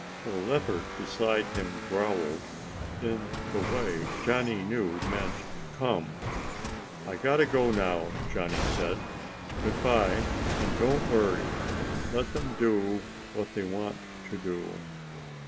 The leopard beside him growled, in the way Johnny knew meant "come." "I gotta go now," Johnny said. "Goodbye, and don't worry. Let them do what they want to."